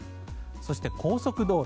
そして、高速道路。